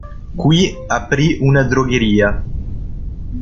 Qui, aprì una drogheria.